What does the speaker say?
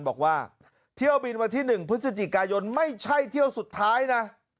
บอกว่าเที่ยวบินวันที่๑พฤศจิกายนไม่ใช่เที่ยวสุดท้ายนะ